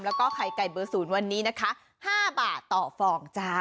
แล้วก็ไข่ไก่เบอร์ศูนย์วันนี้นะคะ๕บาทต่อฟองจ้า